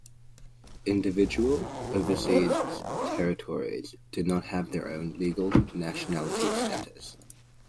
Individual overseas territories do not have their own legal nationality status.